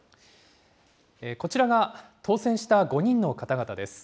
こちらが当選した５人の方々です。